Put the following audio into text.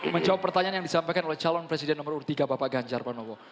menjawab pertanyaan yang disampaikan oleh calon presiden nomor tiga bapak ganjar panowo